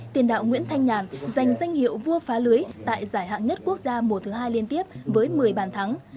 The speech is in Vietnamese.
tiền đạo nguyễn thanh nhàn giành danh hiệu vua phá lưới tại giải hạng nhất quốc gia mùa thứ hai liên tiếp với một mươi bàn thắng